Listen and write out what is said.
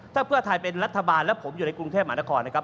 ถ้าเพื่อไทยเป็นรัฐบาลแล้วผมอยู่ในกรุงเทพมหานครนะครับ